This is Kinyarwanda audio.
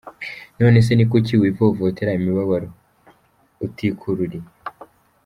None se ni kuki wivovotera imibabaro utikururiye?.